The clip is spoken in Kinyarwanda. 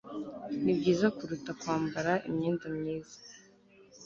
nibyiza kuruta kwambara imyenda myiza